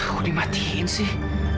aku dimatihin sih